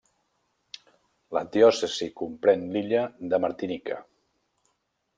La diòcesi comprèn l'illa de Martinica.